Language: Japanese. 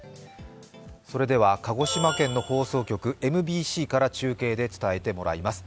それでは鹿児島県の放送局ＭＢＣから中継で伝えてもらいます。